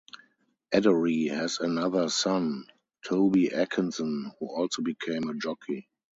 Eddery has another son, Toby Atkinson, who also became a jockey.